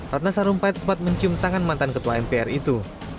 ratna sarumpait sempat mencium tangan mantan ketua mpr itu